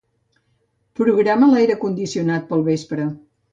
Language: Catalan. Programa l'aire condicionat per al vespre.